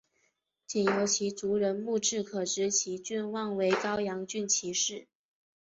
仅由其族人墓志可知其郡望为高阳郡齐氏。